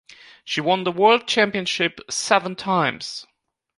She won the World Championship seven times.